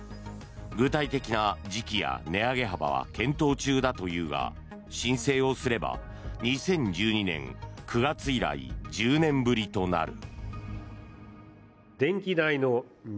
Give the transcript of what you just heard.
具体的な時期や値上げ幅は検討中だというが申請をすれば２０１２年９月以来１０年ぶりとなる。